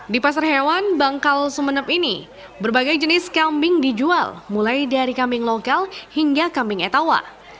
di pasar hewan bangkal sumeneb ini berbagai jenis kambing dijual mulai dari kambing lokal hingga kambing etawa